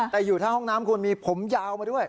แต่อยู่ถ้าห้องน้ำคุณมีผมยาวมาด้วย